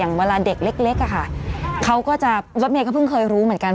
อย่างเวลาเด็กเล็กเขาก็จะรับเนียกเขาเพิ่งเคยรู้เหมือนกัน